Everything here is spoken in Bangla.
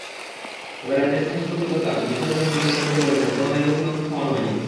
তবে রাজ্যের স্বাস্থ্য অধিকর্তা বিশ্বরঞ্জন শতপথী বলেছেন, কোনো মেয়াদোত্তীর্ণ ওষুধ খাওয়ানো হয়নি।